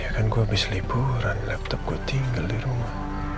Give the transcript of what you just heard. kan gue habis liburan laptop gue tinggal di rumah